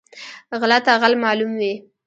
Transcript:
غله ته غل معلوم وي